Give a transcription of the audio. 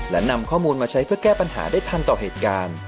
และนำข้อมูลมาใช้เพื่อแก้ปัญหาได้ทันต่อเหตุการณ์